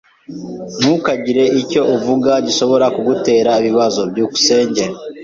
Ntukagire icyo uvuga gishobora kugutera ibibazo. byukusenge